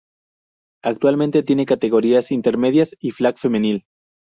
Actualmente tienen categorías intermedias y flag femenil.